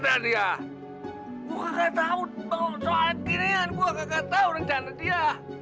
soal kirian gua gak tahu rencana dia